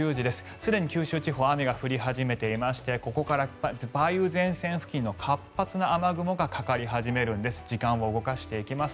すでに九州地方は雨が降り始めていましてここから梅雨前線付近の活発な雨雲がかかり始めるんです。